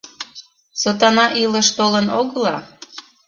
Сотана илыш толын огыла!